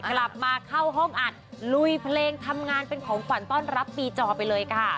กลับมาเข้าห้องอัดลุยเพลงทำงานเป็นของขวัญต้อนรับปีจอไปเลยค่ะ